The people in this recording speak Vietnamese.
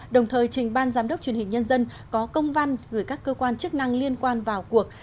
đồng thời trình ban giám đốc truyền hình nhân dân có công văn gửi các cơ quan chức năng liên quan vào cuộc